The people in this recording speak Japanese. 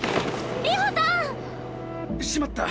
流星さん！しまった。